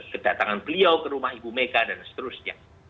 kedatangan beliau ke rumah ibu mega dan seterusnya